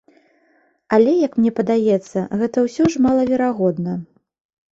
Але, як мне падаецца, гэта ўсё ж мала верагодна.